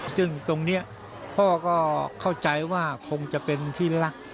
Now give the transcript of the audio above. ซึ่งตรงนี้พ่อก็เข้าใจว่าคงจะเป็นที่รัก